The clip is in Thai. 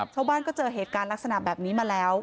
ชาวบ้านก็เจอเหตุการณ์ลักษณะแบบนี้มาแล้ว